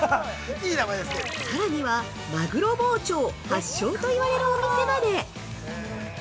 さらには、マグロ包丁発祥といわれるお店まで！